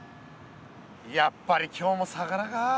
やっぱり今日も魚か。